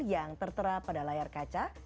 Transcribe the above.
yang tertera pada layar kaca